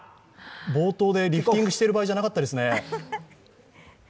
冒頭でリフティングしてる場合じゃなかったですね。